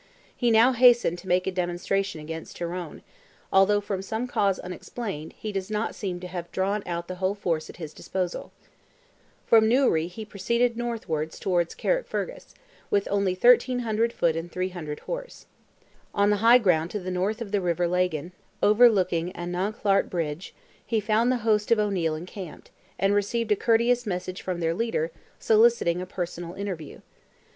He now hastened to make a demonstration against Tyrone, although, from some cause unexplained, he does not seem to have drawn out the whole force at his disposal. From Newry he proceeded northward towards Carrickfergus, with only 1,300 foot and 300 horse. On the high ground to the north of the river Lagan, overlooking Anaghclart Bridge, he found the host of O'Neil encamped, and received a courteous message from their leader, soliciting a personal interview.